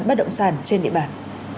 bắt động sản trên địa bàn